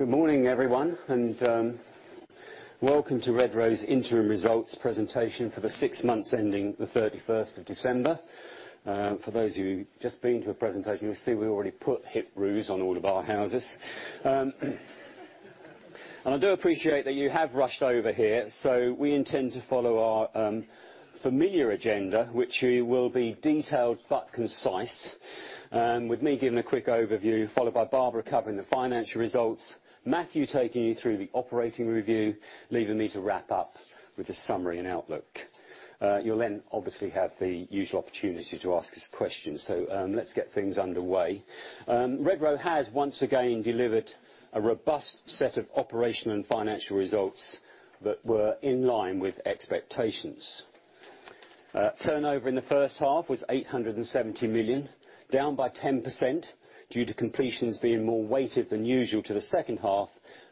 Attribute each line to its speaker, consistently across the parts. Speaker 1: Good morning, everyone, and welcome to Redrow's interim results presentation for the six months ending the 31st of December. For those of you who've just been to a presentation, you'll see we already put hip roofs on all of our houses. I do appreciate that you have rushed over here, so we intend to follow our familiar agenda, which will be detailed but concise, with me giving a quick overview, followed by Barbara covering the financial results, Matthew taking you through the operating review, leaving me to wrap up with a summary and outlook. You'll then obviously have the usual opportunity to ask us questions. Let's get things underway. Redrow has once again delivered a robust set of operational and financial results that were in line with expectations. Turnover in the first half was 870 million, down by 10% due to completions being more weighted than usual to the second half,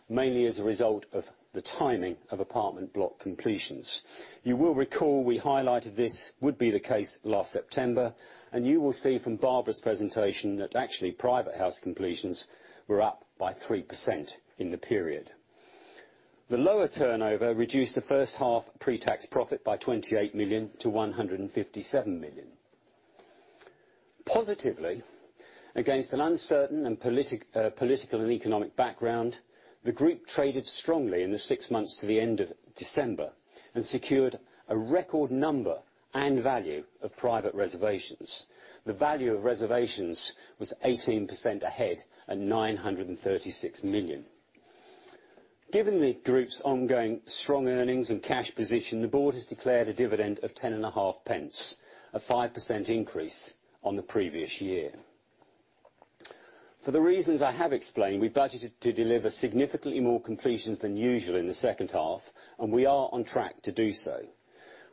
Speaker 1: mainly as a result of the timing of apartment block completions. You will recall we highlighted this would be the case last September, and you will see from Barbara's presentation that actually private house completions were up by 3% in the period. The lower turnover reduced the first half pre-tax profit by 28 million to 157 million. Positively, against an uncertain political and economic background, the group traded strongly in the six months to the end of December and secured a record number and value of private reservations. The value of reservations was 18% ahead at 936 million. Given the group's ongoing strong earnings and cash position, the board has declared a dividend of 0.105, a 5% increase on the previous year. For the reasons I have explained, we budgeted to deliver significantly more completions than usual in the second half, and we are on track to do so.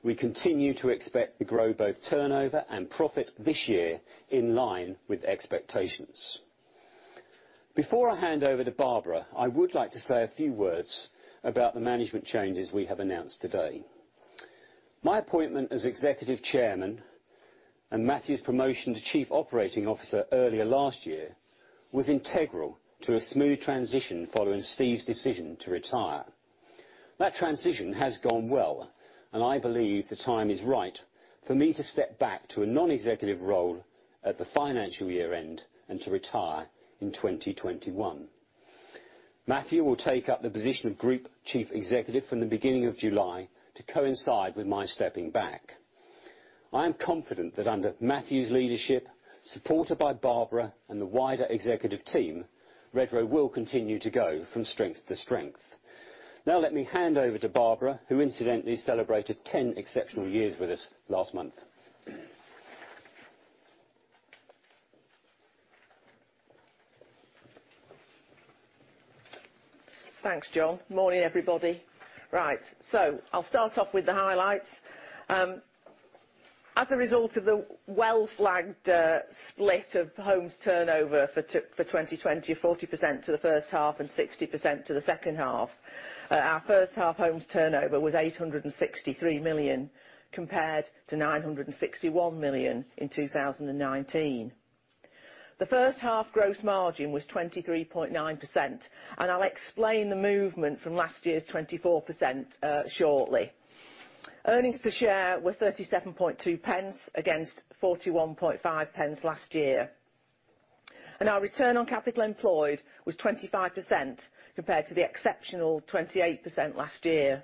Speaker 1: We continue to expect to grow both turnover and profit this year in line with expectations. Before I hand over to Barbara, I would like to say a few words about the management changes we have announced today. My appointment as Executive Chairman and Matthew's promotion to Chief Operating Officer earlier last year was integral to a smooth transition following Steve's decision to retire. That transition has gone well, and I believe the time is right for me to step back to a non-executive role at the financial year-end and to retire in 2021. Matthew will take up the position of Group Chief Executive from the beginning of July to coincide with my stepping back. I am confident that under Matthew's leadership, supported by Barbara and the wider executive team, Redrow will continue to go from strength to strength. Now let me hand over to Barbara, who incidentally celebrated 10 exceptional years with us last month.
Speaker 2: Thanks, John. Morning, everybody. Right. I'll start off with the highlights. As a result of the well-flagged split of homes turnover for 2020, 40% to the first half and 60% to the second half, our first half homes turnover was 863 million compared to 961 million in 2019. The first half gross margin was 23.9%, and I'll explain the movement from last year's 24% shortly. Earnings per share were 37.2 pence against 41.5 pence last year. Our return on capital employed was 25% compared to the exceptional 28% last year.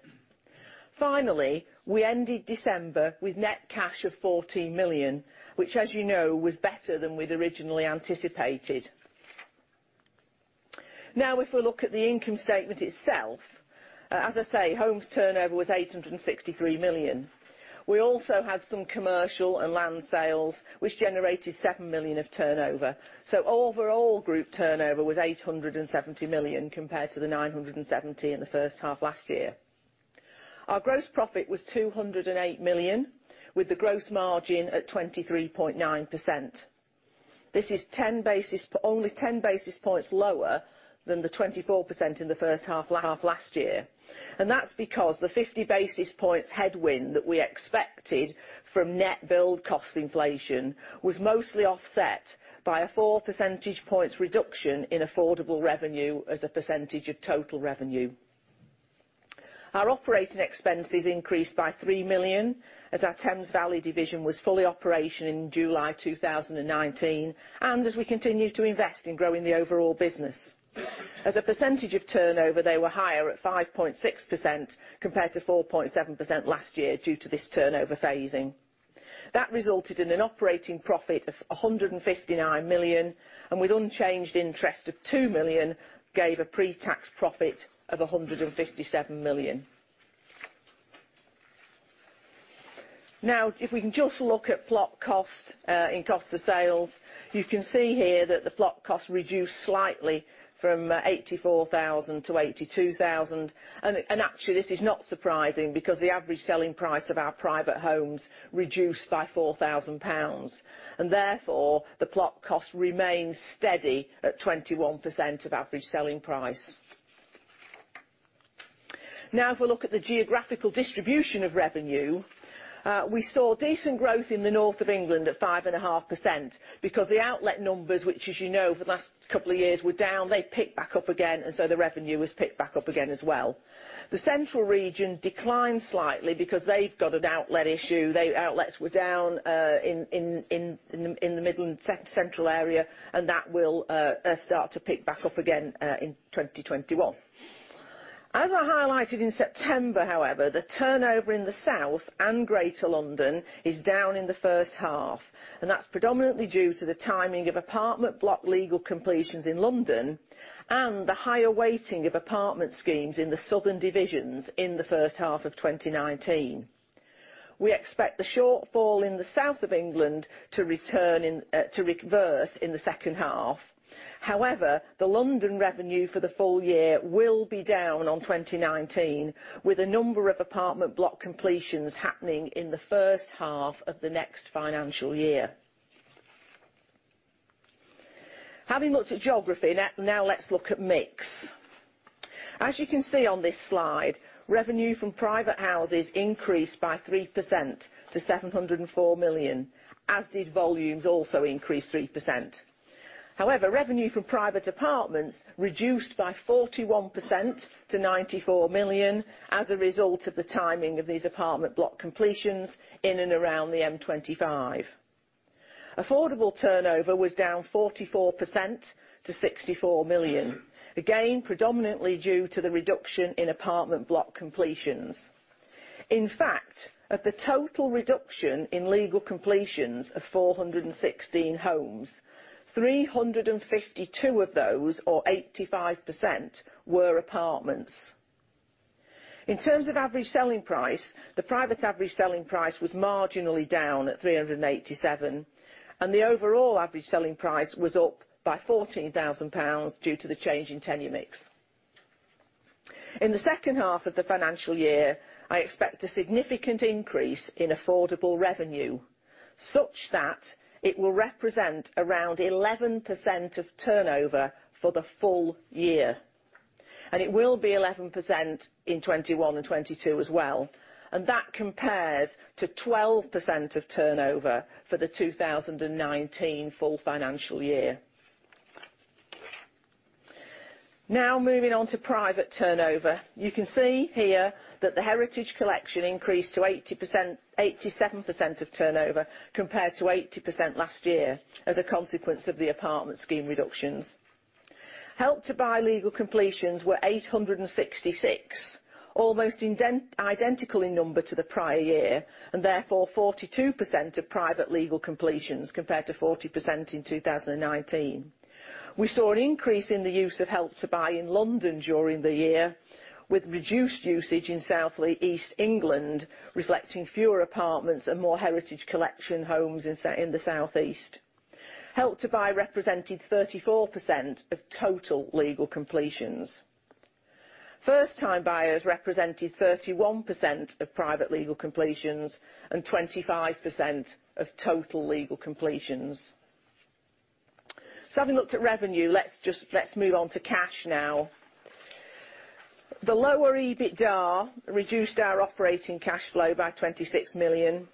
Speaker 2: Finally, we ended December with net cash of 14 million, which, as you know, was better than we'd originally anticipated. Now, if we look at the income statement itself, as I say, homes turnover was 863 million. We also had some commercial and land sales, which generated 7 million of turnover. Overall group turnover was 870 million compared to the 970 in the first half last year. Our gross profit was 208 million, with the gross margin at 23.9%. This is only 10 basis points lower than the 24% in the first half last year. that's because the 50 basis points headwind that we expected from net build cost inflation was mostly offset by a 4 percentage points reduction in affordable revenue as a percentage of total revenue. Our operating expenses increased by three million, as our Thames Valley division was fully operational in July 2019, and as we continue to invest in growing the overall business. As a percentage of turnover, they were higher at 5.6% compared to 4.7% last year due to this turnover phasing. That resulted in an operating profit of 159 million, and with unchanged interest of 2 million gave a pre-tax profit of 157 million. If we can just look at plot cost in cost of sales, you can see here that the plot cost reduced slightly from 84,000 to 82,000. Actually, this is not surprising because the average selling price of our private homes reduced by 4,000 pounds, and therefore the plot cost remains steady at 21% of average selling price. If we look at the geographical distribution of revenue, we saw decent growth in the north of England at 5.5% because the outlet numbers, which as you know, for the last couple of years were down, they picked back up again, and so the revenue has picked back up again as well. The central region declined slightly because they've got an outlet issue. The outlets were down in the Midland central area, and that will start to pick back up again in 2021. As I highlighted in September, however, the turnover in the south and Greater London is down in the first half, and that's predominantly due to the timing of apartment block legal completions in London and the higher weighting of apartment schemes in the southern divisions in the first half of 2019. We expect the shortfall in the south of England to reverse in the second half. However, the London revenue for the full year will be down on 2019 with a number of apartment block completions happening in the first half of the next financial year. Having looked at geography, now let's look at mix. As you can see on this slide, revenue from private houses increased by 3% to 704 million, as did volumes also increased 3%. However, revenue from private apartments reduced by 41% to 94 million as a result of the timing of these apartment block completions in and around the M25. Affordable turnover was down 44% to 64 million, again, predominantly due to the reduction in apartment block completions. In fact, of the total reduction in legal completions of 416 homes, 352 of those, or 85%, were apartments. In terms of average selling price, the private average selling price was marginally down at 387, and the overall average selling price was up by 14,000 pounds due to the change in tenure mix. In the second half of the financial year, I expect a significant increase in affordable revenue such that it will represent around 11% of turnover for the full year. It will be 11% in 2021 and 2022 as well. That compares to 12% of turnover for the 2019 full financial year. Now moving on to private turnover. You can see here that the Heritage Collection increased to 87% of turnover compared to 80% last year as a consequence of the apartment scheme reductions. Help to Buy legal completions were 866, almost identical in number to the prior year, and therefore 42% of private legal completions, compared to 40% in 2019. We saw an increase in the use of Help to Buy in London during the year, with reduced usage in Southeast England, reflecting fewer apartments and more Heritage Collection homes in the southeast. Help to Buy represented 34% of total legal completions. First-time buyers represented 31% of private legal completions and 25% of total legal completions. Having looked at revenue, let's move on to cash now. The lower EBITDA reduced our operating cash flow by 26 million.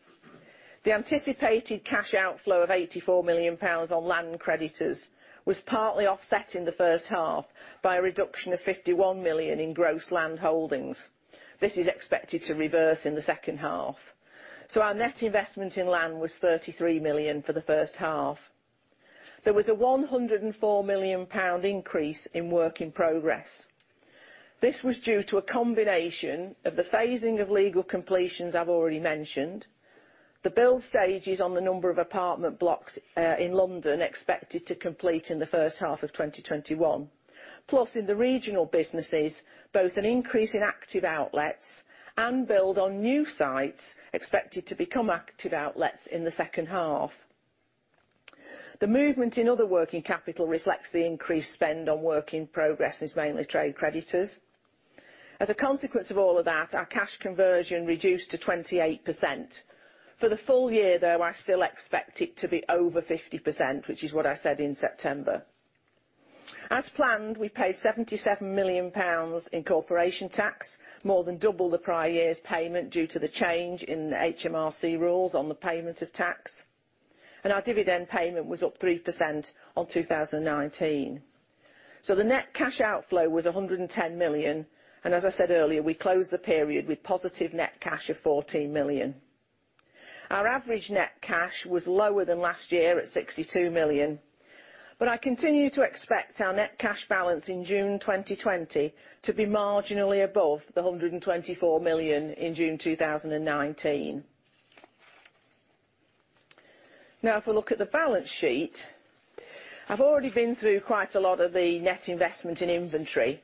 Speaker 2: The anticipated cash outflow of 84 million pounds on land creditors was partly offset in the first half by a reduction of 51 million in gross land holdings. This is expected to reverse in the second half. our net investment in land was 33 million for the first half. There was a 104 million pound increase in work in progress. This was due to a combination of the phasing of legal completions I've already mentioned, the build stages on the number of apartment blocks, in London expected to complete in the first half of 2021. Plus, in the regional businesses, both an increase in active outlets and build on new sites expected to become active outlets in the second half. The movement in other working capital reflects the increased spend on work in progress, it's mainly trade creditors. As a consequence of all of that, our cash conversion reduced to 28%. For the full year, though, I still expect it to be over 50%, which is what I said in September. As planned, we paid 77 million pounds in corporation tax, more than double the prior year's payment due to the change in HMRC rules on the payment of tax. Our dividend payment was up 3% on 2019. The net cash outflow was 110 million, and as I said earlier, we closed the period with positive net cash of 14 million. Our average net cash was lower than last year at 62 million. I continue to expect our net cash balance in June 2020 to be marginally above the 124 million in June 2019. Now, if we look at the balance sheet, I've already been through quite a lot of the net investment in inventory.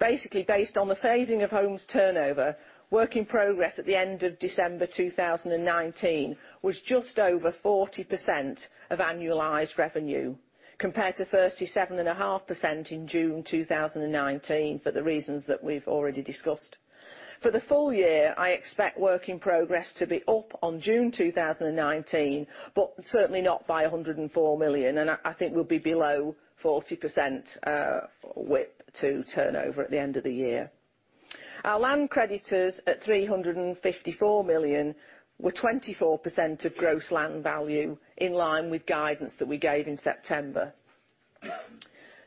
Speaker 2: Basically based on the phasing of homes turnover, work in progress at the end of December 2019 was just over 40% of annualized revenue, compared to 37.5% in June 2019, for the reasons that we've already discussed. For the full year, I expect work in progress to be up on June 2019, but certainly not by 104 million, and I think we'll be below 40% WIP to turnover at the end of the year. Our land creditors at 354 million, were 24% of gross land value, in line with guidance that we gave in September.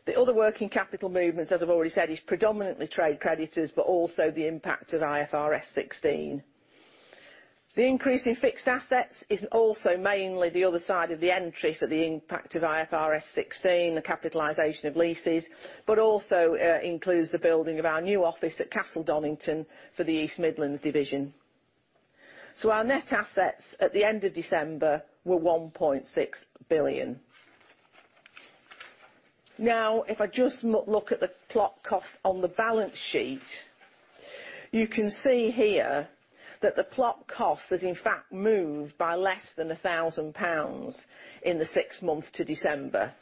Speaker 2: The other working capital movements, as I've already said, is predominantly trade creditors, but also the impact of IFRS 16. The increase in fixed assets is also mainly the other side of the entry for the impact of IFRS 16, the capitalization of leases, but also includes the building of our new office at Castle Donington for the East Midlands division. Our net assets at the end of December were 1.6 billion. Now, if I just look at the plot cost on the balance sheet, you can see here that the plot cost has in fact moved by less than 1,000 pounds in the six months to December.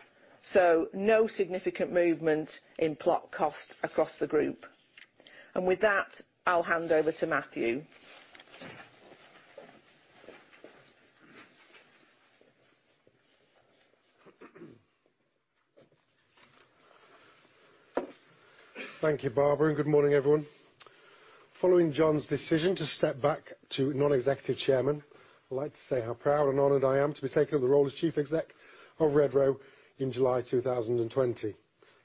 Speaker 2: No significant movement in plot cost across the group. With that, I'll hand over to Matthew.
Speaker 3: Thank you, Barbara, and good morning, everyone. Following John's decision to step back to non-executive chairman, I'd like to say how proud and honored I am to be taking up the role as chief exec of Redrow in July 2020.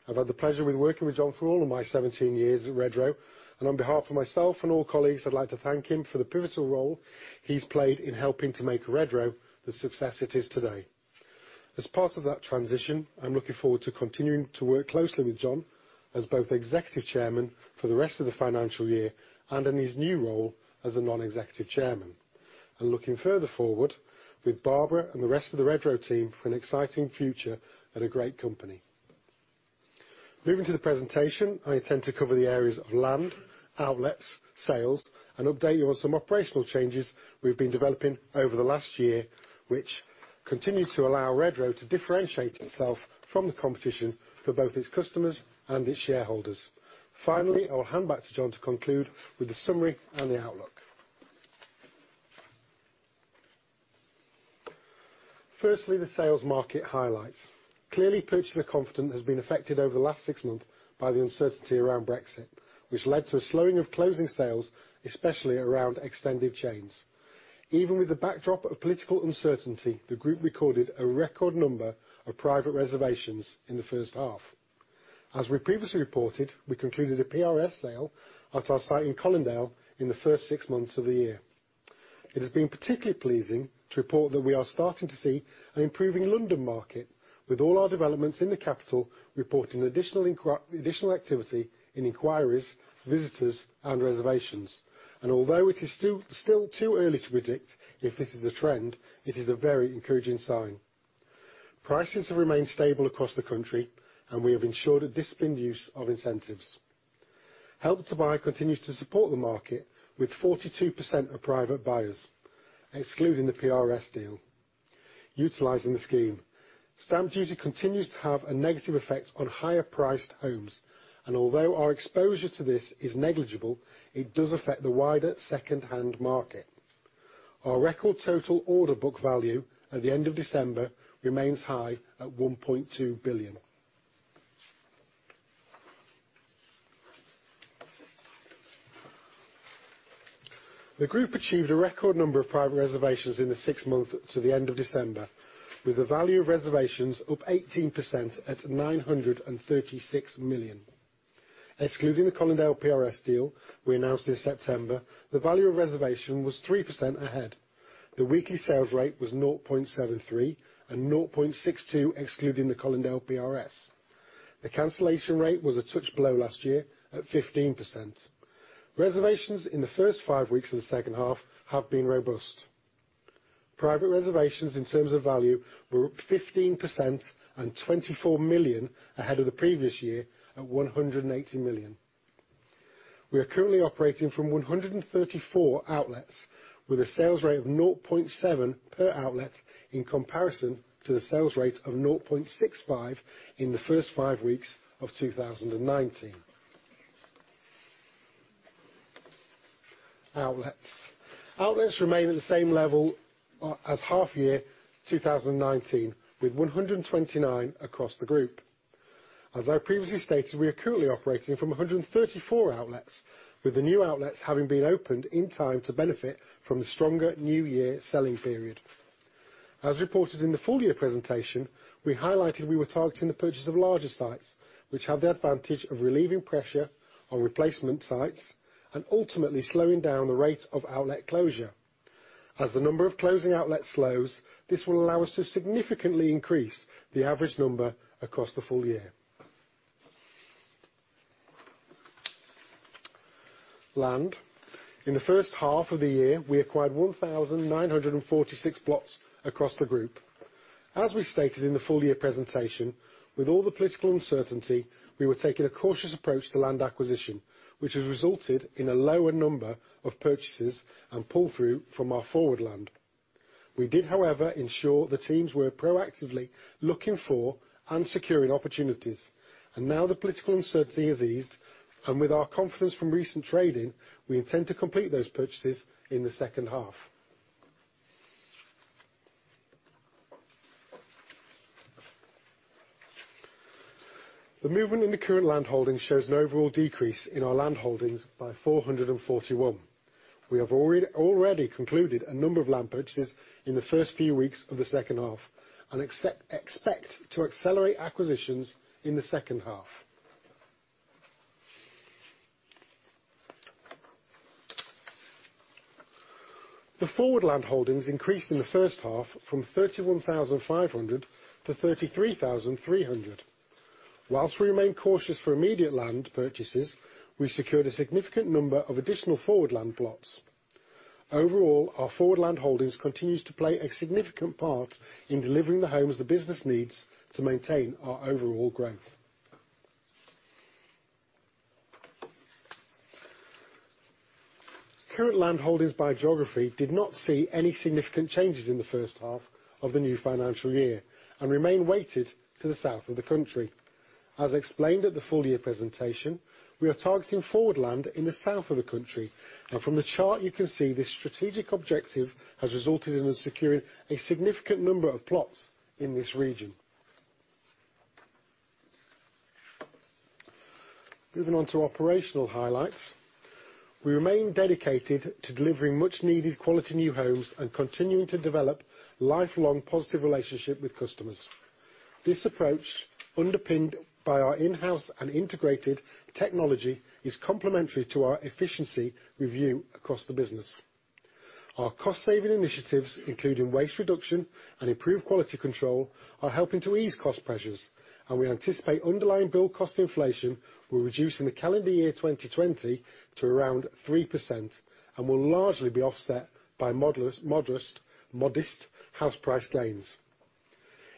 Speaker 3: I've had the pleasure with working with John for all of my 17 years at Redrow, and on behalf of myself and all colleagues, I'd like to thank him for the pivotal role he's played in helping to make Redrow the success it is today. As part of that transition, I'm looking forward to continuing to work closely with John as both executive chairman for the rest of the financial year and in his new role as the non-executive chairman. Looking further forward, with Barbara and the rest of the Redrow team, for an exciting future at a great company. Moving to the presentation, I intend to cover the areas of land, outlets, sales, and update you on some operational changes we've been developing over the last year, which continue to allow Redrow to differentiate itself from the competition for both its customers and its shareholders. Finally, I'll hand back to John to conclude with the summary and the outlook. Firstly, the sales market highlights. Clearly, purchaser confidence has been affected over the last six months by the uncertainty around Brexit, which led to a slowing of closing sales, especially around extended chains. Even with the backdrop of political uncertainty, the group recorded a record number of private reservations in the first half. As we previously reported, we concluded a PRS sale at our site in Colindale in the first six months of the year. It has been particularly pleasing to report that we are starting to see an improving London market with all our developments in the capital reporting additional activity in inquiries, visitors, and reservations. Although it is still too early to predict if this is a trend, it is a very encouraging sign. Prices have remained stable across the country, and we have ensured a disciplined use of incentives. Help to Buy continues to support the market with 42% of private buyers, excluding the PRS deal, utilizing the scheme. Stamp duty continues to have a negative effect on higher priced homes, and although our exposure to this is negligible, it does affect the wider secondhand market. Our record total order book value at the end of December remains high at 1.2 billion. The group achieved a record number of private reservations in the six months to the end of December, with the value of reservations up 18% at 936 million. Excluding the Colindale PRS deal we announced this September, the value of reservation was 3% ahead. The weekly sales rate was 0.73 and 0.62 excluding the Colindale PRS. The cancellation rate was a touch below last year at 15%. Reservations in the first five weeks of the second half have been robust. Private reservations in terms of value were up 15% and 24 million ahead of the previous year at 180 million. We are currently operating from 134 outlets with a sales rate of 0.7 per outlet in comparison to the sales rate of 0.65 in the first five weeks of 2019. Outlets remain at the same level as half year 2019, with 129 across the group. As I previously stated, we are currently operating from 134 outlets, with the new outlets having been opened in time to benefit from the stronger new year selling period. As reported in the full year presentation, we highlighted we were targeting the purchase of larger sites, which have the advantage of relieving pressure on replacement sites and ultimately slowing down the rate of outlet closure. As the number of closing outlets slows, this will allow us to significantly increase the average number across the full year. Land. In the first half of the year, we acquired 1,946 plots across the group. As we stated in the full year presentation, with all the political uncertainty, we were taking a cautious approach to land acquisition, which has resulted in a lower number of purchases and pull-through from our forward land. We did, however, ensure the teams were proactively looking for and securing opportunities. Now the political uncertainty has eased, and with our confidence from recent trading, we intend to complete those purchases in the second half. The movement in the current land holding shows an overall decrease in our land holdings by 441. We have already concluded a number of land purchases in the first few weeks of the second half and expect to accelerate acquisitions in the second half. The forward land holdings increased in the first half from 31,500 to 33,300. While we remain cautious for immediate land purchases, we've secured a significant number of additional forward land plots. Overall, our forward land holdings continues to play a significant part in delivering the homes the business needs to maintain our overall growth. Current land holdings by geography did not see any significant changes in the first half of the new financial year and remain weighted to the south of the country. As explained at the full year presentation, we are targeting forward land in the south of the country, and from the chart, you can see this strategic objective has resulted in us securing a significant number of plots in this region. Moving on to operational highlights. We remain dedicated to delivering much needed quality new homes and continuing to develop lifelong positive relationship with customers. This approach, underpinned by our in-house and integrated technology, is complementary to our efficiency review across the business. Our cost-saving initiatives, including waste reduction and improved quality control, are helping to ease cost pressures, and we anticipate underlying build cost inflation will reduce in the calendar year 2020 to around 3% and will largely be offset by modest house price gains.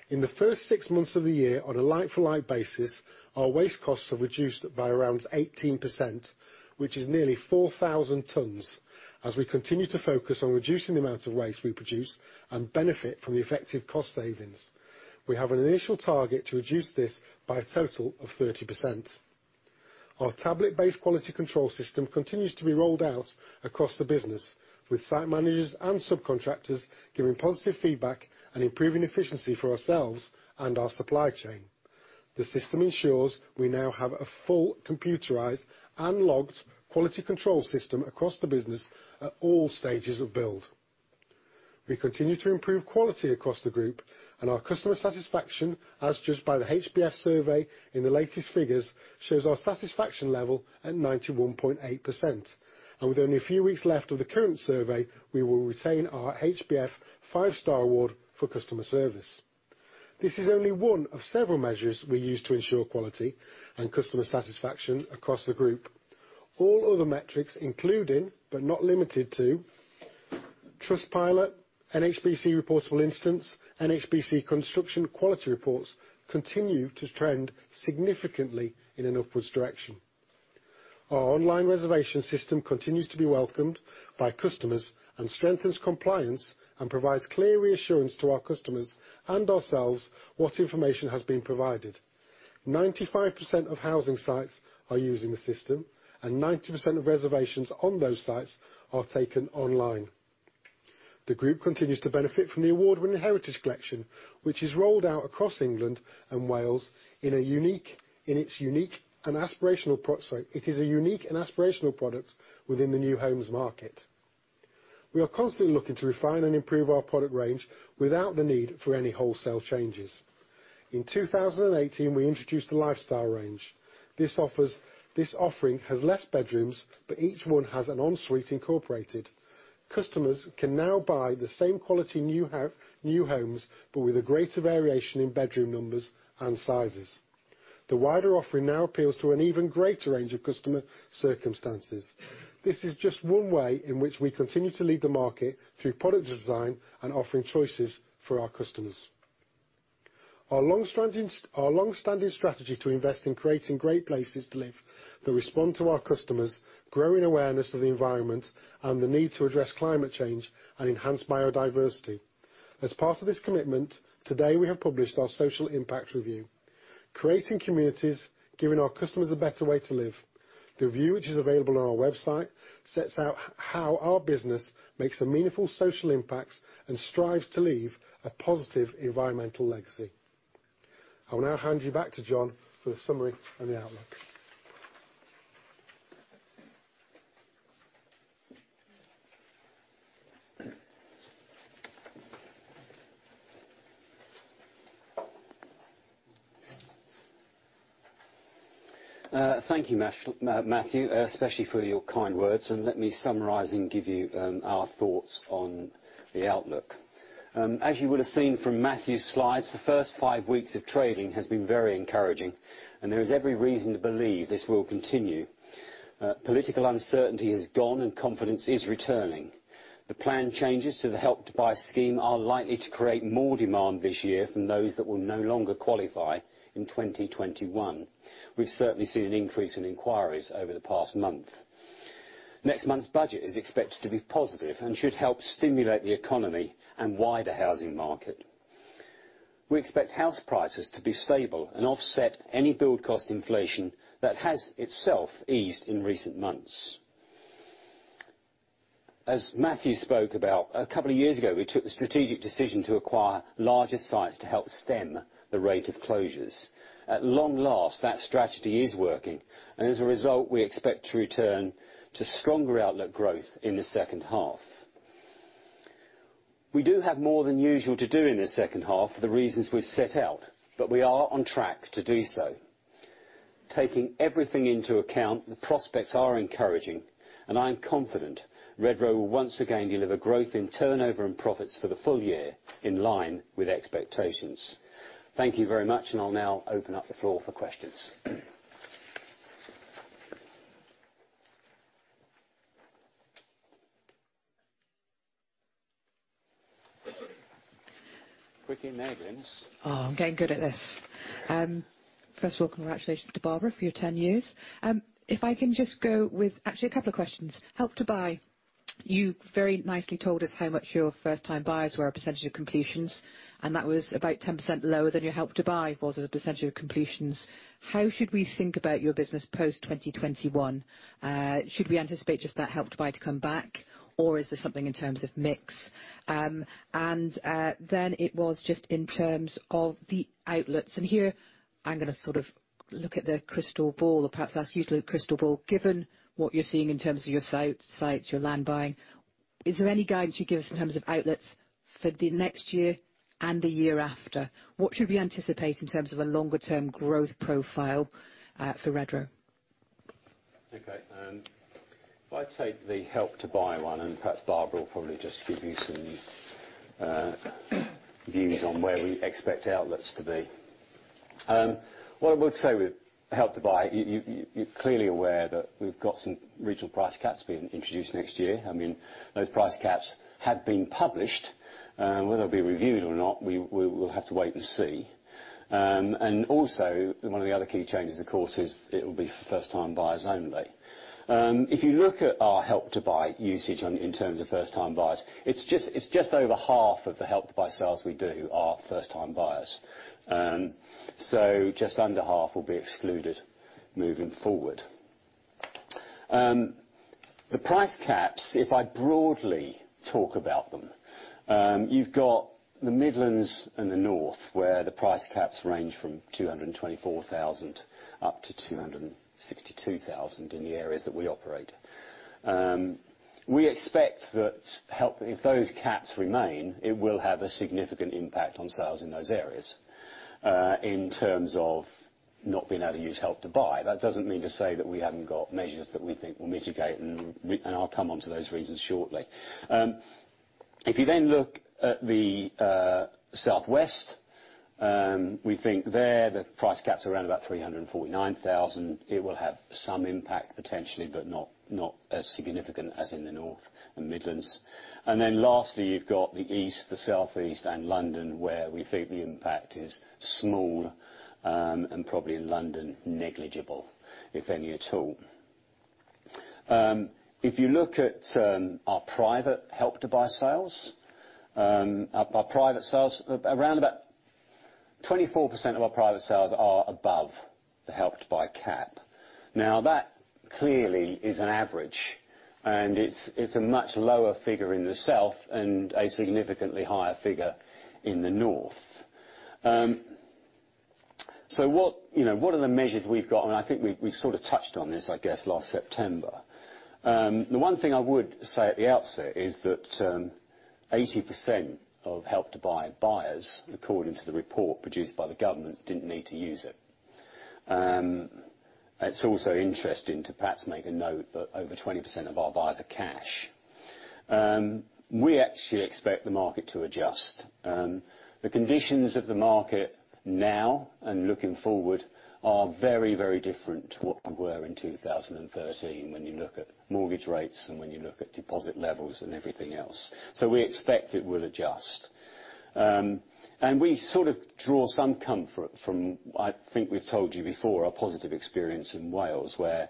Speaker 3: In the first six months of the year, on a like-for-like basis, our waste costs have reduced by around 18%, which is nearly 4,000 tons. As we continue to focus on reducing the amount of waste we produce and benefit from the effective cost savings, we have an initial target to reduce this by a total of 30%. Our tablet-based quality control system continues to be rolled out across the business, with site managers and subcontractors giving positive feedback and improving efficiency for ourselves and our supply chain. The system ensures we now have a full computerized and logged quality control system across the business at all stages of build. We continue to improve quality across the group and our customer satisfaction, as judged by the HBF survey in the latest figures, shows our satisfaction level at 91.8%. With only a few weeks left of the current survey, we will retain our HBF five-star award for customer service. This is only one of several measures we use to ensure quality and customer satisfaction across the group. All other metrics, including, but not limited to Trustpilot, NHBC reportable instance, NHBC construction quality reports, continue to trend significantly in an upwards direction. Our online reservation system continues to be welcomed by customers and strengthens compliance and provides clear reassurance to our customers and ourselves what information has been provided. 95% of housing sites are using the system, and 90% of reservations on those sites are taken online. The group continues to benefit from the award-winning Heritage Collection, which is rolled out across England and Wales. It is a unique and aspirational product within the new homes market. We are constantly looking to refine and improve our product range without the need for any wholesale changes. In 2018, we introduced the Lifestyle range. This offering has less bedrooms, but each one has an en suite incorporated. Customers can now buy the same quality new homes, but with a greater variation in bedroom numbers and sizes. The wider offering now appeals to an even greater range of customer circumstances. This is just one way in which we continue to lead the market through product design and offering choices for our customers. Our longstanding strategy to invest in creating great places to live that respond to our customers' growing awareness of the environment and the need to address climate change and enhance biodiversity. As part of this commitment, today, we have published our social impact review, creating communities, giving our customers a better way to live. The review, which is available on our website, sets out how our business makes a meaningful social impact and strives to leave a positive environmental legacy. I will now hand you back to John for the summary and the outlook.
Speaker 1: Thank you, Matthew, especially for your kind words, and let me summarize and give you our thoughts on the outlook. As you would have seen from Matthew's slides, the first five weeks of trading has been very encouraging, and there is every reason to believe this will continue. Political uncertainty has gone and confidence is returning. The planned changes to the Help to Buy scheme are likely to create more demand this year from those that will no longer qualify in 2021. We've certainly seen an increase in inquiries over the past month. Next month's budget is expected to be positive and should help stimulate the economy and wider housing market. We expect house prices to be stable and offset any build cost inflation that has itself eased in recent months. As Matthew spoke about, a couple of years ago, we took the strategic decision to acquire larger sites to help stem the rate of closures. At long last, that strategy is working, and as a result, we expect to return to stronger outlook growth in the second half. We do have more than usual to do in this second half for the reasons we've set out, but we are on track to do so. Taking everything into account, the prospects are encouraging, and I'm confident Redrow will once again deliver growth in turnover and profits for the full year, in line with expectations. Thank you very much, and I'll now open up the floor for questions. Quickie, Glynis.
Speaker 4: Oh, I'm getting good at this. First of all, congratulations to Barbara for your 10 years. If I can just go with actually a couple of questions. Help to Buy, you very nicely told us how much your first-time buyers were a percentage of completions, and that was about 10% lower than your Help to Buy was as a percentage of completions. How should we think about your business post-2021? Should we anticipate just that Help to Buy to come back? is there something in terms of mix? it was just in terms of the outlets, and here I'm going to sort of look at the crystal ball or perhaps ask you to look at the crystal ball. Given what you're seeing in terms of your sites, your land buying, is there any guidance you can give us in terms of outlets for the next year and the year after? What should we anticipate in terms of a longer-term growth profile for Redrow?
Speaker 1: Okay. If I take the Help to Buy one, and perhaps Barbara will probably just give you some views on where we expect outlets to be. What I would say with Help to Buy, you're clearly aware that we've got some regional price caps being introduced next year. Those price caps have been published. Whether they'll be reviewed or not, we will have to wait and see. Also, one of the other key changes, of course, is it will be for first-time buyers only. If you look at our Help to Buy usage in terms of first-time buyers, it's just over half of the Help to Buy sales we do are first-time buyers. Just under half will be excluded moving forward. The price caps, if I broadly talk about them, you've got the Midlands and the North, where the price caps range from 224,000 up to 262,000 in the areas that we operate. We expect that if those caps remain, it will have a significant impact on sales in those areas in terms of not being able to use Help to Buy. That doesn't mean to say that we haven't got measures that we think will mitigate, and I'll come onto those reasons shortly. If you then look at the Southwest, we think there the price caps are around about 349,000. It will have some impact, potentially, but not as significant as in the North and Midlands. then lastly, you've got the East, the Southeast, and London, where we think the impact is small, and probably in London, negligible, if any at all. If you look at our private Help to Buy sales, around about 24% of our private sales are above the Help to Buy cap. Now, that clearly is an average, and it's a much lower figure in the South and a significantly higher figure in the North. what are the measures we've got? I think we sort of touched on this, I guess, last September. The one thing I would say at the outset is that 80% of Help to Buy buyers, according to the report produced by the government, didn't need to use it. It's also interesting to perhaps make a note that over 20% of our buyers are cash. We actually expect the market to adjust. The conditions of the market now and looking forward are very different to what they were in 2013 when you look at mortgage rates and when you look at deposit levels and everything else. We expect it will adjust. We sort of draw some comfort from, I think we've told you before, our positive experience in Wales, where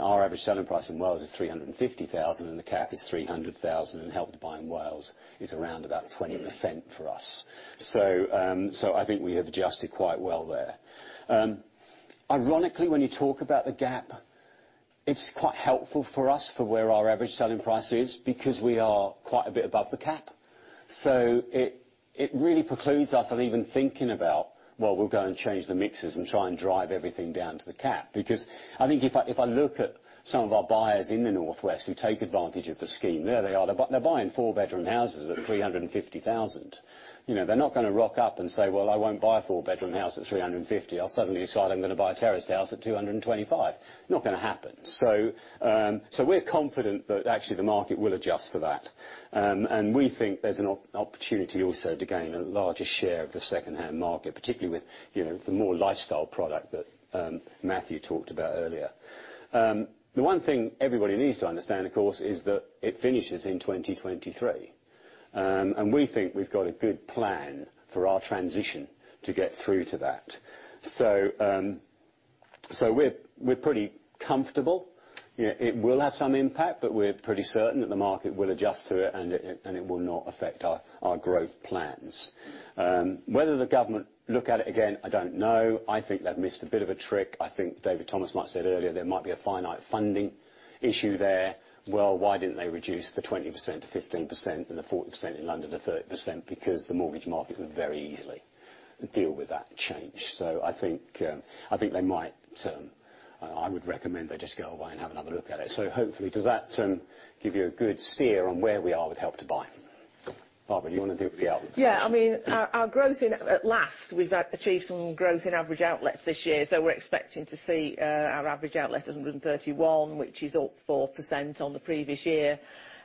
Speaker 1: our average selling price in Wales is 350,000 and the cap is 300,000, and Help to Buy in Wales is around about 20% for us. I think we have adjusted quite well there. Ironically, when you talk about the gap, it's quite helpful for us for where our average selling price is because we are quite a bit above the cap. It really precludes us of even thinking about, well, we'll go and change the mixes and try and drive everything down to the cap. Because I think if I look at some of our buyers in the Northwest who take advantage of the scheme, there they are. They're buying four-bedroom houses at 350,000. They're not going to rock up and say, "Well, I won't buy a four-bedroom house at 350. I'll suddenly decide I'm going to buy a terraced house at 225." Not going to happen. We're confident that actually the market will adjust for that. We think there's an opportunity also to gain a larger share of the secondhand market, particularly with the more lifestyle product that Matthew talked about earlier. The one thing everybody needs to understand, of course, is that it finishes in 2023. We think we've got a good plan for our transition to get through to that. We're pretty comfortable. It will have some impact, but we're pretty certain that the market will adjust to it and it will not affect our growth plans. Whether the government look at it again, I don't know. I think they've missed a bit of a trick. I think David Thomas might've said earlier there might be a finite funding issue there. Well, why didn't they reduce the 20% to 15% and the 40% in London to 30%? Because the mortgage market would very easily deal with that change. I think I would recommend they just go away and have another look at it. Hopefully, does that give you a good steer on where we are with Help to Buy? Barbara, do you want to do the output?
Speaker 2: Yeah. At last, we've achieved some growth in average outlets this year, so we're expecting to see our average outlet, 131, which is up 4% on the previous year.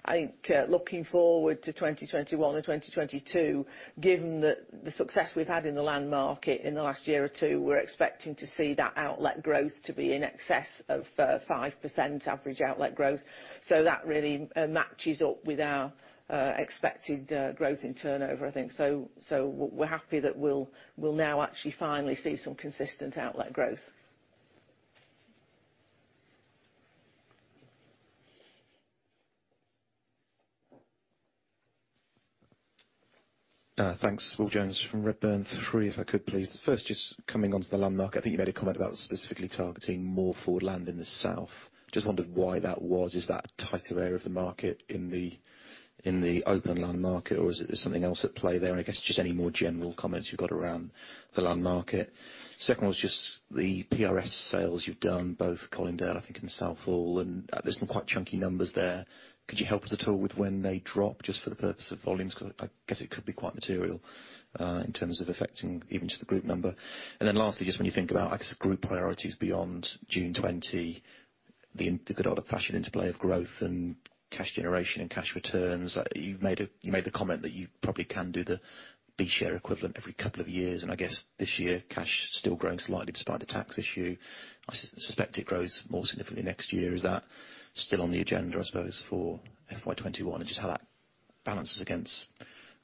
Speaker 2: I think looking forward to 2021 and 2022, given the success we've had in the land market in the last year or two, we're expecting to see that outlet growth to be in excess of 5% average outlet growth. That really matches up with our expected growth in turnover, I think. We're happy that we'll now actually finally see some consistent outlet growth.
Speaker 5: Thanks. Will Jones from Redburn. Three, if I could, please. First, just coming onto the land market, I think you made a comment about specifically targeting more forward land in the south. Just wondered why that was. Is that a tighter area of the market in the open land market, or is there something else at play there? I guess just any more general comments you've got around the land market. Second was just the PRS sales you've done, both Colindale, I think, and Southall, and there's some quite chunky numbers there. Could you help us at all with when they drop, just for the purpose of volumes? I guess it could be quite material, in terms of affecting even just the group number. lastly, just when you think about, I guess, group priorities beyond June 2020, the good old-fashioned interplay of growth and cash generation and cash returns. You made the comment that you probably can do the B share equivalent every couple of years, and I guess this year cash still growing slightly despite the tax issue. I suspect it grows more significantly next year. Is that still on the agenda, I suppose, for FY 2021 and just how that balances against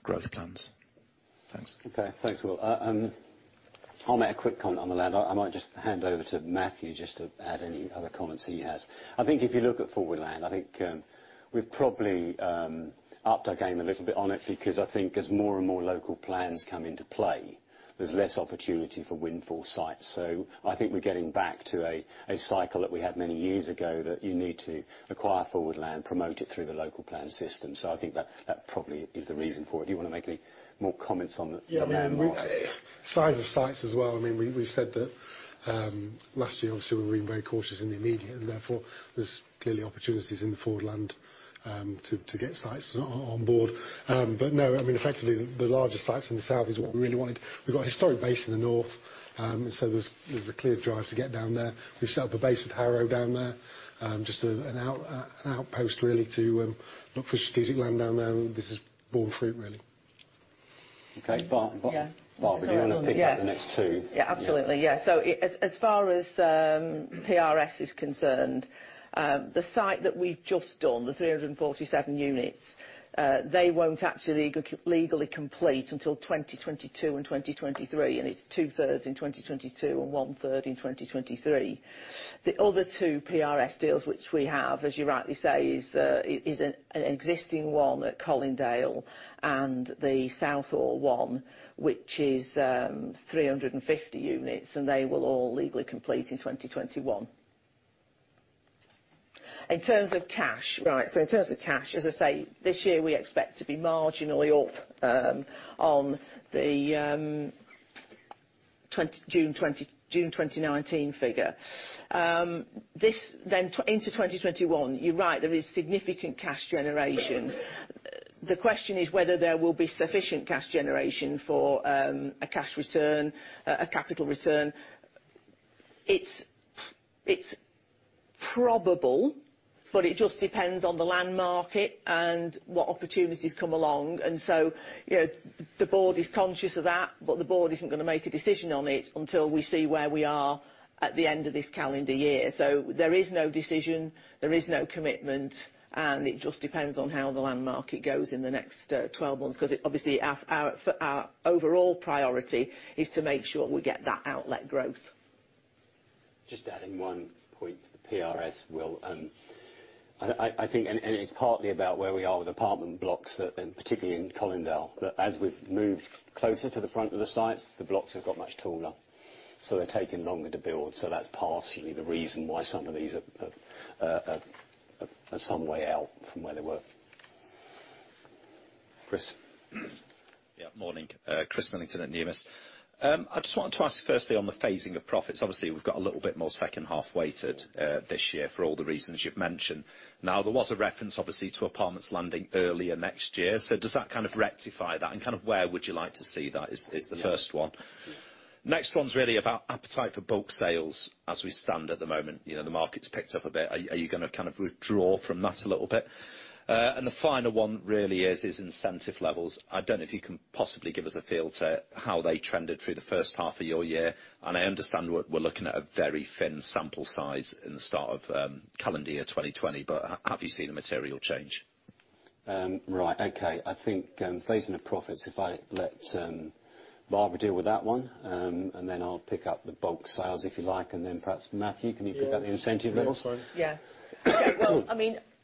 Speaker 5: growth plans? Thanks.
Speaker 1: Okay. Thanks, Will. I'll make a quick comment on the land. I might just hand over to Matthew just to add any other comments he has. I think if you look at forward land, I think we've probably upped our game a little bit on it because I think as more and more local plans come into play, there's less opportunity for windfall sites. I think we're getting back to a cycle that we had many years ago that you need to acquire forward land, promote it through the local plan system. I think that probably is the reason for it. Do you want to make any more comments on the land market?
Speaker 3: Yeah. Size of sites as well. We said that last year, obviously, we were being very cautious in the immediate, and therefore, there's clearly opportunities in the forward land to get sites on board. No, effectively the larger sites in the south is what we really wanted. We've got a historic base in the north, so there's a clear drive to get down there. We've set up a base with Harrow down there. Just an outpost really to look for strategic land down there. This is borne fruit, really.
Speaker 1: Okay. Barb?
Speaker 2: Yeah.
Speaker 1: Barb, do you want to pick up the next two?
Speaker 2: Yeah, absolutely. As far as PRS is concerned, the site that we've just done, the 347 units, they won't actually legally complete until 2022 and 2023, and it's two-thirds in 2022 and one-third in 2023. The other two PRS deals which we have, as you rightly say, is an existing one at Colindale and the Southall one, which is 350 units, and they will all legally complete in 2021. In terms of cash. In terms of cash, as I say, this year, we expect to be marginally up on the June 2019 figure. Into 2021, you're right, there is significant cash generation. The question is whether there will be sufficient cash generation for a cash return, a capital return. It's probable, but it just depends on the land market and what opportunities come along. The board is conscious of that. The board isn't going to make a decision on it until we see where we are at the end of this calendar year. There is no decision, there is no commitment, and it just depends on how the land market goes in the next 12 months. Because obviously our overall priority is to make sure we get that outlet growth.
Speaker 1: Just adding one point to the PRS, Will. I think, and it's partly about where we are with apartment blocks, particularly in Colindale. As we've moved closer to the front of the sites, the blocks have got much taller, so they're taking longer to build. That's partially the reason why some of these are some way out from where they were. Chris.
Speaker 6: Yeah, morning. Chris Millington at Numis. I just wanted to ask firstly on the phasing of profits. Obviously, we've got a little bit more second half weighted this year for all the reasons you've mentioned. Now, there was a reference, obviously, to apartments landing earlier next year. does that kind of rectify that and where would you like to see that, is the first one?
Speaker 1: Yes.
Speaker 6: Next one's really about appetite for bulk sales as we stand at the moment. The market's picked up a bit. Are you going to withdraw from that a little bit? The final one really is incentive levels. I don't know if you can possibly give us a feel to how they trended through the first half of your year, and I understand we're looking at a very thin sample size in the start of calendar year 2020, but have you seen a material change?
Speaker 1: Right. Okay. I think phasing of profits, if I let Barbara deal with that one, and then I'll pick up the bulk sales, if you like, and then perhaps Matthew, can you pick up the incentive levels?
Speaker 2: Yeah. Well,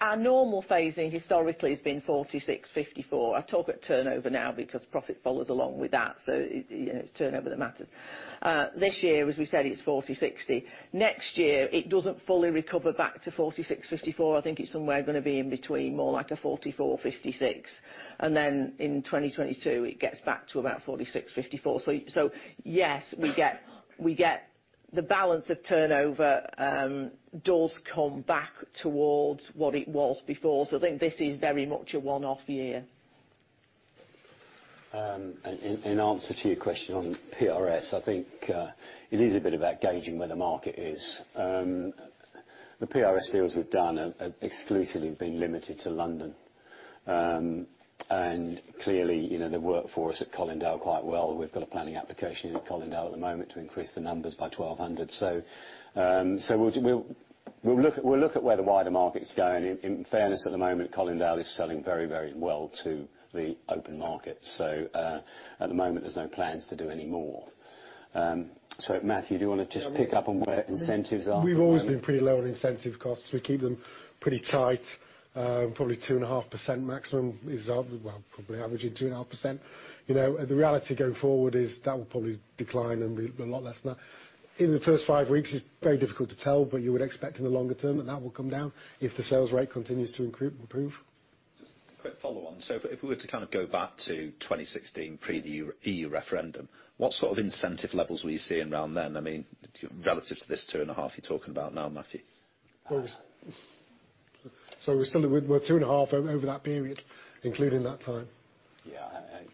Speaker 2: our normal phasing historically has been 46/54. I talk at turnover now because profit follows along with that, so it's turnover that matters. This year, as we said, it's 40/60. Next year, it doesn't fully recover back to 46/54. I think it's somewhere going to be in between more like a 44/56. In 2022, it gets back to about 46/54. Yes, we get the balance of turnover does come back towards what it was before. I think this is very much a one-off year.
Speaker 1: In answer to your question on PRS, I think it is a bit about gauging where the market is. The PRS deals we've done have exclusively been limited to London. Clearly, they work for us at Colindale quite well. We've got a planning application in at Colindale at the moment to increase the numbers by 1,200. We'll look at where the wider market is going. In fairness, at the moment, Colindale is selling very well to the open market. At the moment, there's no plans to do any more. Matthew, do you want to just pick up on where incentives are at the moment?
Speaker 3: We've always been pretty low on incentive costs. We keep them pretty tight. Probably 2.5% maximum. Well, probably averaging 2.5%. The reality going forward is that will probably decline and be a lot less than that. In the first five weeks, it's very difficult to tell, but you would expect in the longer term that that will come down if the sales rate continues to improve.
Speaker 6: Just a quick follow-on. If we were to go back to 2016, pre the EU referendum, what sort of incentive levels were you seeing around then, relative to this 2.5% you're talking about now, Matthew?
Speaker 3: we're still at 2.5% over that period, including that time.
Speaker 1: Yeah.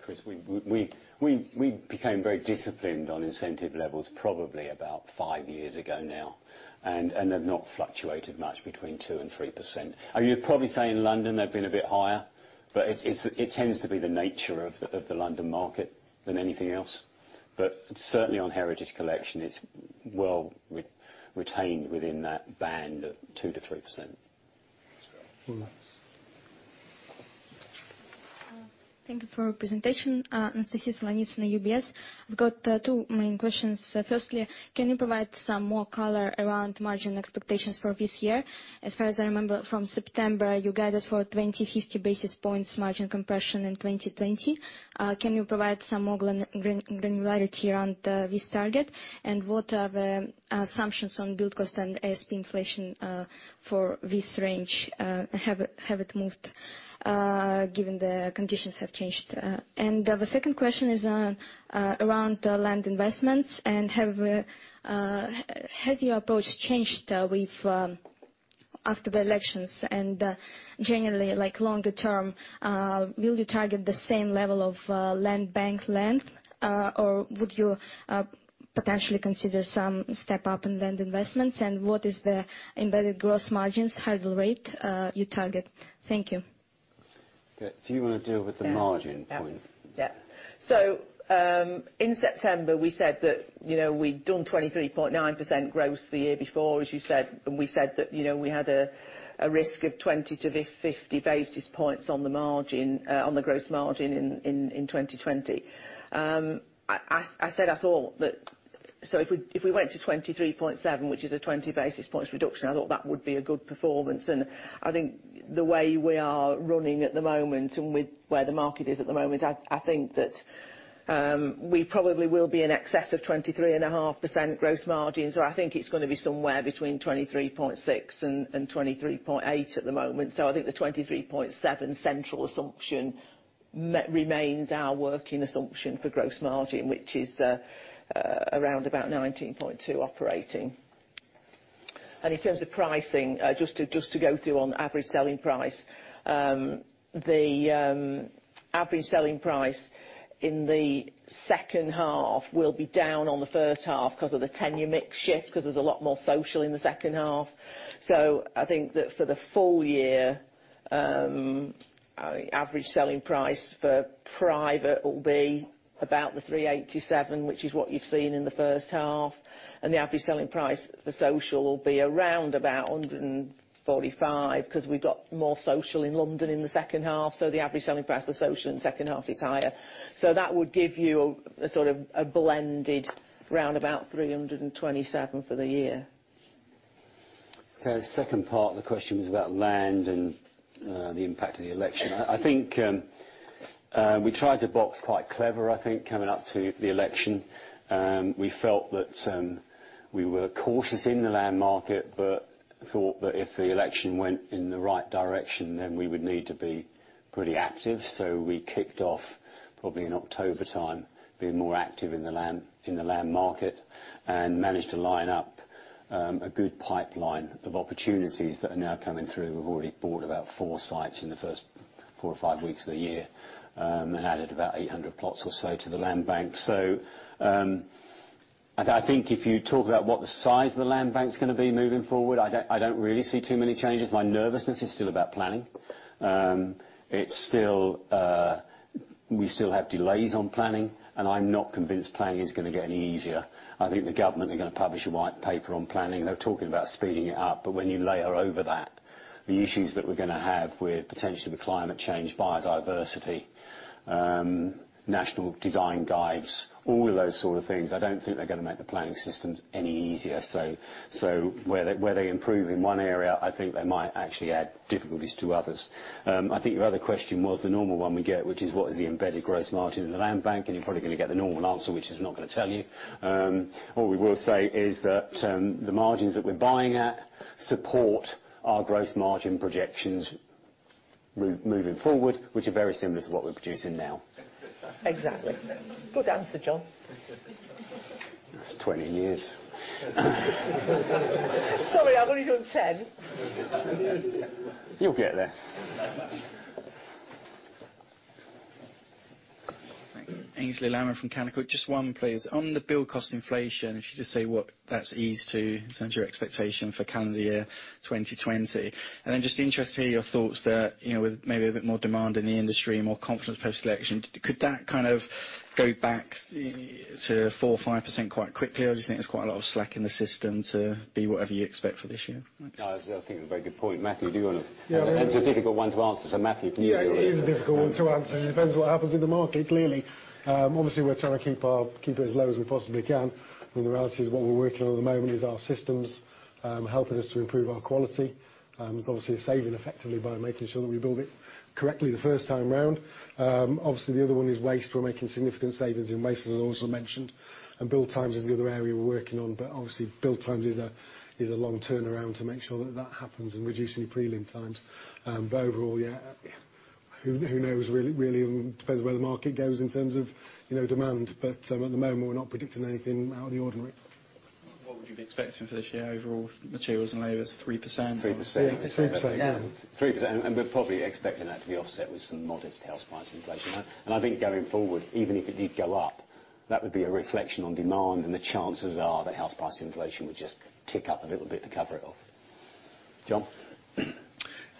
Speaker 1: Chris, we became very disciplined on incentive levels probably about five years ago now, and they've not fluctuated much between 2% and 3%. You'd probably say in London they've been a bit higher, but it tends to be the nature of the London market than anything else. Certainly on Heritage Collection, it's well retained within that band of
Speaker 7: Thank you for your presentation. Anastasia Solonitsyna, UBS. I've got two main questions. Firstly, can you provide some more color around margin expectations for this year? As far as I remember from September, you guided for 2050 basis points margin compression in 2020. Can you provide some more granularity around this target? What are the assumptions on build cost and ASP inflation for this range? Have it moved, given the conditions have changed? The second question is around land investments and has your approach changed after the elections? Generally, longer term, will you target the same level of landbank length, or would you potentially consider some step up in land investments? What is the embedded gross margins hurdle rate you target? Thank you.
Speaker 1: Do you want to deal with the margin point?
Speaker 2: Yeah. In September, we said that we'd done 23.9% gross the year before, as you said, and we said that we had a risk of 20 to 50 basis points on the gross margin in 2020. I said I thought that if we went to 23.7, which is a 20 basis points reduction, I thought that would be a good performance. I think the way we are running at the moment, and with where the market is at the moment, I think that we probably will be in excess of 23.5% gross margin. I think it's going to be somewhere between 23.6 and 23.8 at the moment. I think the 23.7 central assumption remains our working assumption for gross margin, which is around about 19.2 operating. In terms of pricing, just to go through on average selling price. The average selling price in the second half will be down on the first half because of the tenure mix shift, because there's a lot more social in the second half. I think that for the full year, average selling price for private will be about the 387, which is what you've seen in the first half. The average selling price for social will be around about 145 because we've got more social in London in the second half. The average selling price for social in the second half is higher. That would give you a blended around about 327 for the year.
Speaker 1: Okay. The second part of the question was about land and the impact of the election. I think we tried to box quite clever, I think, coming up to the election. We felt that we were cautious in the land market, but thought that if the election went in the right direction, then we would need to be pretty active. We kicked off probably in October time, being more active in the land market and managed to line up a good pipeline of opportunities that are now coming through. We've already bought about four sites in the first four or five weeks of the year, and added about 800 plots or so to the landbank. I think if you talk about what the size of the landbank's going to be moving forward, I don't really see too many changes. My nervousness is still about planning. We still have delays on planning, and I'm not convinced planning is going to get any easier. I think the government are going to publish a white paper on planning. They're talking about speeding it up, but when you layer over that the issues that we're going to have with potentially the climate change, biodiversity, national design guides, all of those sort of things, I don't think they're going to make the planning systems any easier. Where they improve in one area, I think they might actually add difficulties to others. I think your other question was the normal one we get, which is what is the embedded gross margin in the land bank, and you're probably going to get the normal answer, which is we're not going to tell you. All we will say is that the margins that we're buying at support our gross margin projections moving forward, which are very similar to what we're producing now.
Speaker 2: Exactly. Good answer, John.
Speaker 1: That's 20 years.
Speaker 2: Sorry, I've only done 10.
Speaker 1: You'll get there.
Speaker 8: Aynsley Lammin from Canaccord. Just one, please. On the build cost inflation, if you just say what that's eased to in terms of your expectation for calendar year 2020. Just interested to hear your thoughts there with maybe a bit more demand in the industry, more confidence post-election. Could that kind of go back to 4% or 5% quite quickly, or do you think there's quite a lot of slack in the system to be whatever you expect for this year?
Speaker 1: No, I think that's a very good point. Matthew, do you want to?
Speaker 3: Yeah.
Speaker 1: It's a difficult one to answer, so Matthew, do you want to?
Speaker 3: Yeah, it is a difficult one to answer. It depends what happens in the market, clearly. Obviously, we're trying to keep it as low as we possibly can. The reality is what we're working on at the moment is our systems helping us to improve our quality. There's obviously a saving, effectively, by making sure that we build it correctly the first time around. Obviously, the other one is waste. We're making significant savings in waste, as I also mentioned. Build times is the other area we're working on. Obviously, build times is a long turnaround to make sure that that happens and reducing your prelim times. Overall, yeah, who knows really? It really depends where the market goes in terms of demand. At the moment, we're not predicting anything out of the ordinary.
Speaker 8: What would you be expecting for this year overall for materials and labor, 3% or-
Speaker 1: 3%.
Speaker 3: 3%, yeah.
Speaker 1: 3%. We're probably expecting that to be offset with some modest house price inflation. I think going forward, even if it did go up, that would be a reflection on demand, and the chances are that house price inflation would just tick up a little bit to cover it off. Jon?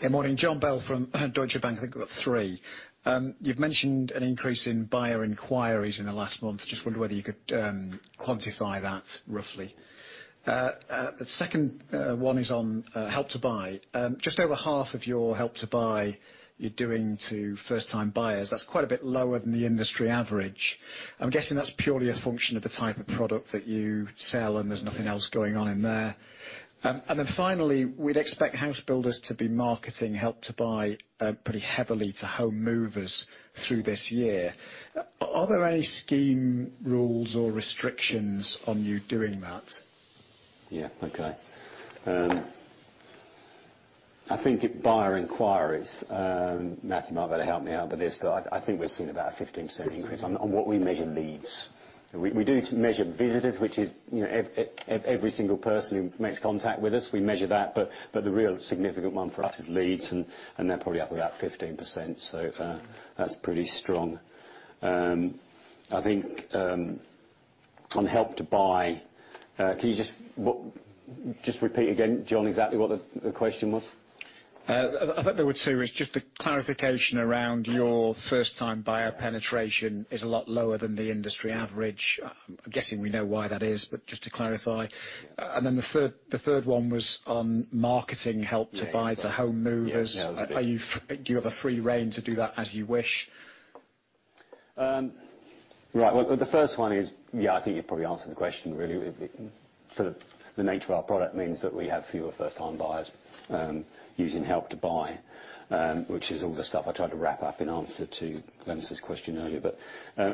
Speaker 9: Good morning. Jon Bell from Deutsche Bank. I think I've got three. You've mentioned an increase in buyer inquiries in the last month. Just wonder whether you could quantify that roughly. Second one is on Help to Buy. Just over half of your Help to Buy you're doing to first-time buyers. That's quite a bit lower than the industry average. I'm guessing that's purely a function of the type of product that you sell, and there's nothing else going on in there. We'd expect house builders to be marketing Help to Buy pretty heavily to home movers through this year. Are there any scheme rules or restrictions on you doing that?
Speaker 1: Yeah. Okay. I think buyer inquiries, Matthew might better help me out with this, but I think we're seeing about a 15% increase on what we measure leads. We do measure visitors, which is every single person who makes contact with us, we measure that. The real significant one for us is leads, and they're probably up about 15%, so that's pretty strong. I think on Help to Buy, can you just repeat again, Jon, exactly what the question was?
Speaker 9: I think there were two. It's just a clarification around your first-time buyer penetration is a lot lower than the industry average. I'm guessing we know why that is, but just to clarify. The third one was on marketing Help to Buy to home movers.
Speaker 1: Yeah.
Speaker 9: Do you have a free rein to do that as you wish?
Speaker 1: Right. Well, the first one is, yeah, I think you probably answered the question, really. The nature of our product means that we have fewer first-time buyers using Help to Buy, which is all the stuff I tried to wrap up in answer to Glynis's question earlier.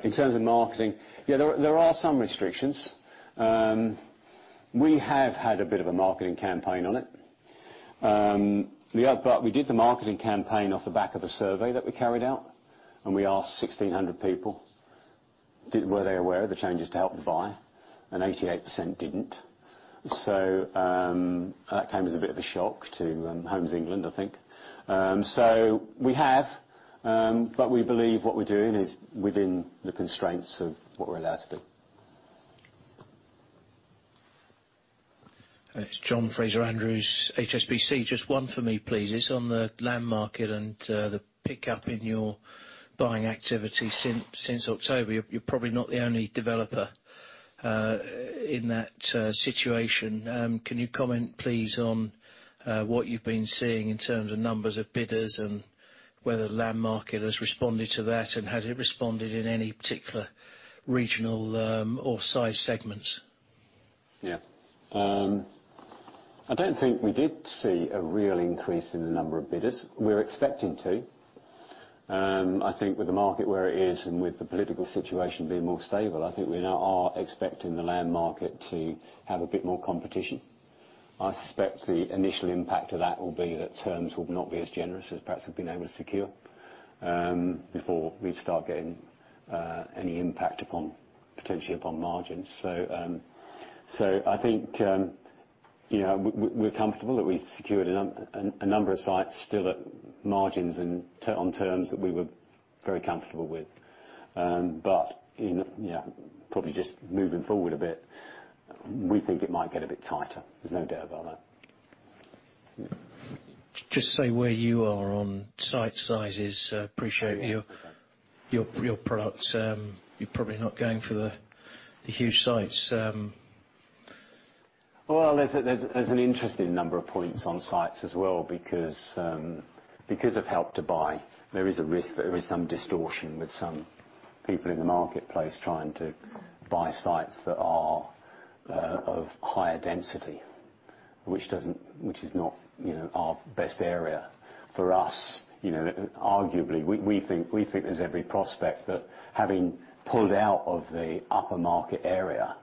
Speaker 1: In terms of marketing, yeah, there are some restrictions. We have had a bit of a marketing campaign on it. We did the marketing campaign off the back of a survey that we carried out, and we asked 1,600 people were they aware of the changes to Help to Buy, and 88% didn't. That came as a bit of a shock to Homes England, I think. We have, but we believe what we're doing is within the constraints of what we're allowed to do.
Speaker 10: It's John Fraser-Andrews, HSBC. Just one for me, please. It's on the land market and the pickup in your buying activity since October. You're probably not the only developer in that situation. Can you comment, please, on what you've been seeing in terms of numbers of bidders and whether the land market has responded to that, and has it responded in any particular regional or size segments?
Speaker 1: Yeah. I don't think we did see a real increase in the number of bidders. We're expecting to, I think with the market where it is and with the political situation being more stable, I think we now are expecting the land market to have a bit more competition. I suspect the initial impact of that will be that terms will not be as generous as perhaps we've been able to secure, before we start getting any impact potentially upon margins. I think we're comfortable that we've secured a number of sites still at margins and on terms that we were very comfortable with. Probably just moving forward a bit, we think it might get a bit tighter. There's no doubt about that.
Speaker 10: Just say where you are on site sizes. Appreciate your product. You're probably not going for the huge sites.
Speaker 1: Well, there's an interesting number of points on sites as well. Because of Help to Buy, there is a risk that there is some distortion with some people in the marketplace trying to buy sites that are of higher density, which is not our best area. For us, arguably, we think there's every prospect that having pulled out of the upper market area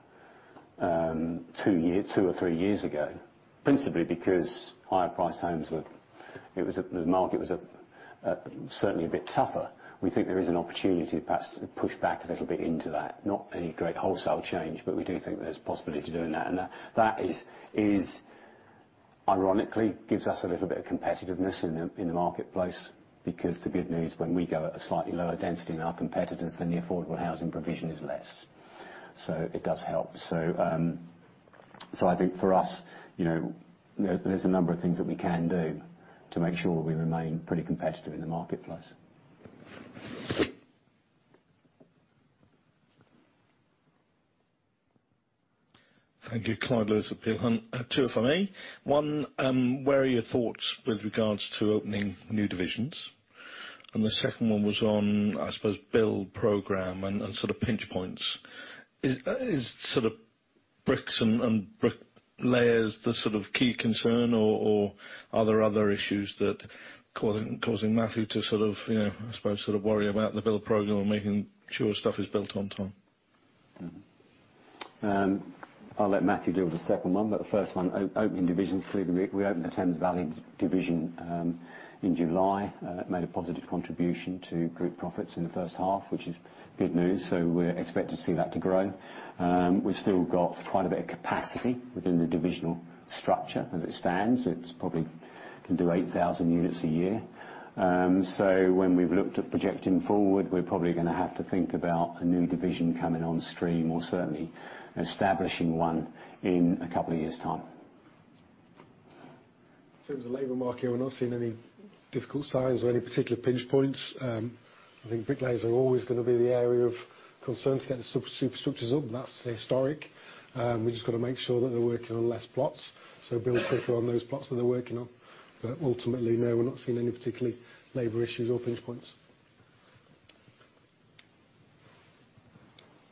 Speaker 1: two or three years ago, principally because higher priced homes, the market was certainly a bit tougher. We think there is an opportunity perhaps, to push back a little bit into that. Not any great wholesale change, but we do think there's possibility to doing that. That ironically gives us a little bit of competitiveness in the marketplace because the good news, when we go at a slightly lower density than our competitors, then the affordable housing provision is less. It does help. I think for us, there's a number of things that we can do to make sure we remain pretty competitive in the marketplace.
Speaker 11: Thank you. Clyde Lewis with Peel Hunt. Two for me. One, where are your thoughts with regards to opening new divisions? The second one was on, I suppose, build program and sort of pinch points. Is bricks and bricklayers the sort of key concern or are there other issues that causing Matthew to sort of, I suppose, sort of worry about the build program and making sure stuff is built on time?
Speaker 1: I'll let Matthew deal with the second one, but the first one, opening divisions. Clearly, we opened the Thames Valley division in July. It made a positive contribution to group profits in the first half, which is good news. We're expecting to see that to grow. We've still got quite a bit of capacity within the divisional structure as it stands. It probably can do 8,000 units a year. When we've looked at projecting forward, we're probably going to have to think about a new division coming on stream or certainly establishing one in a couple of years' time.
Speaker 3: In terms of labor market, we're not seeing any difficult signs or any particular pinch points. I think bricklayers are always going to be the area of concern to get the superstructures up, and that's historic. We've just got to make sure that they're working on less plots. Build quicker on those plots that they're working on. Ultimately, no, we're not seeing any particular labor issues or pinch points.